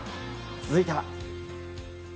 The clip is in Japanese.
続いては。